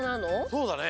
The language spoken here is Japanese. そうだね。